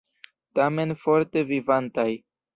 Tamen forte vivantaj!